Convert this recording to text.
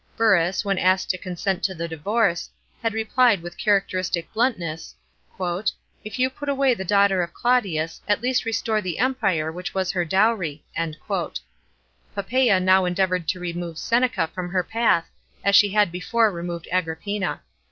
Burrus, when asked to consent to the divorce, had replied with characteristic bluntness, " If you put away the daughter of Claudius, at least restore the Empire which was her dowry." Poppsea now endeavoured to remove Seneca from her path, as she had before removed Agrippina.